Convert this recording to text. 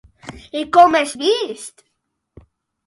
I com és vist?